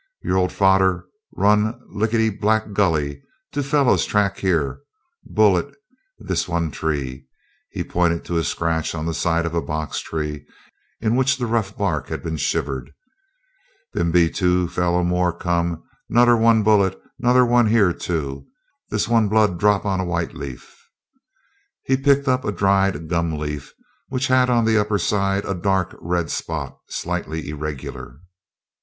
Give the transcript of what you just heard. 'Your old fader run likit Black Gully. Two fellow track here bullet longa this one tree.' Here he pointed to a scratch on the side of a box tree, in which the rough bark had been shivered. 'Bimeby two fellow more come; 'nother one bullet; 'nother one here, too. This one blood drop longa white leaf.' Here he picked up a dried gum leaf, which had on the upper side a dark red spot, slightly irregular.